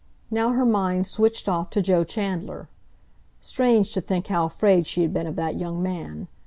Now her mind switched off to Joe Chandler. Strange to think how afraid she had been of that young man!